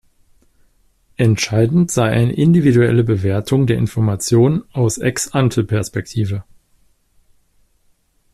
Entscheidend sei eine individuelle Bewertung der Information aus ex-ante-Perspektive.